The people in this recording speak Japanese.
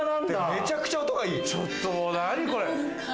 めちゃくちゃ音がいい！